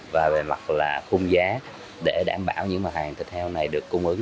và về mặt là khung giá để đảm bảo những mặt hàng thịt heo này được cung ứng